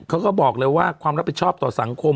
เขาก็บอกเลยว่าความรับผิดชอบต่อสังคม